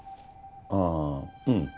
あぁうん。